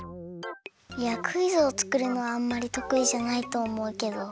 いやクイズをつくるのはあんまりとくいじゃないとおもうけど。